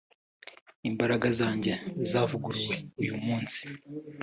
Imbaraga zanjye zavuguruwe uyu munsi